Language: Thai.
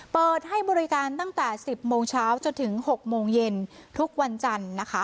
เปิดให้บริการตั้งแต่๑๐โมงเช้าจนถึง๖โมงเย็นทุกวันจันทร์นะคะ